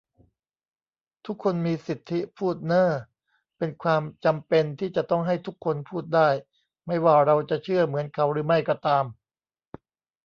ทุกคนมีสิทธิพูดเน้อ เป็นความจำเป็นที่จะต้องให้ทุกคนพูดได้ ไม่ว่าเราจะเชื่อเหมือนเขาหรือไม่ก็ตาม